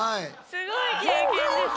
すごい経験ですね。